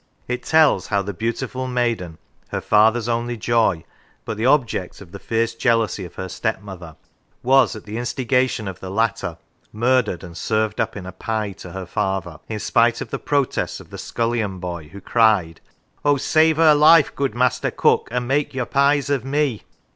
It tells how the beautiful maiden, " her father's only joy," but the object of the fierce jealousy of her stepmother, was, at the instiga tion of the latter, murdered and served up in a pie to her father, in spite of the protests of the scullion boy, who cried: O save her life, good master cook, And make your pies of me.